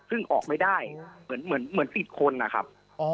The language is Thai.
ซึ่งออกไม่ได้เหมือนติดคนนะครับ